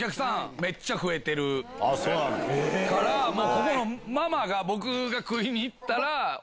ここのママが僕が食いに行ったら。